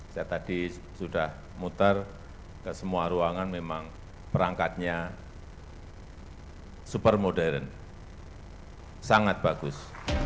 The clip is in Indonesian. saya tadi sudah muter ke semua ruangan memang perangkatnya super modern sangat bagus